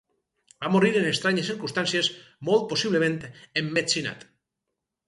Va morir en estranyes circumstàncies, molt possiblement emmetzinat.